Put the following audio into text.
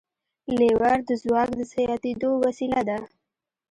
لیور د ځواک د زیاتېدو وسیله ده.